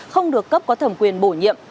không được cấp có thẩm quyền bổ nhiệm